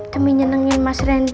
demi nyenengin mas rendy